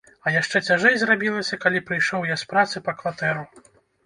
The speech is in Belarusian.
А яшчэ цяжэй зрабілася, калі прыйшоў я з працы па кватэру.